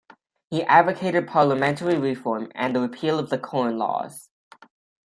He advocated parliamentary reform and the repeal of the Corn Laws.